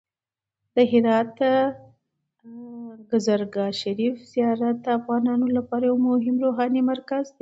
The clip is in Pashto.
د هرات د کازرګاه شریف زیارت د افغانانو لپاره یو مهم روحاني مرکز دی.